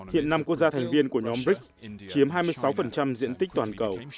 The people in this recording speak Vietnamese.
hiện năm quốc gia thành viên của nhóm brics